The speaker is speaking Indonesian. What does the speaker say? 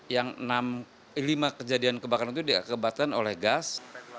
yang lima kejadian kebakaran itu diakibatkan oleh gas